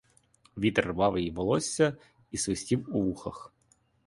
Вітер рвав їй волосся і свистів у вухах.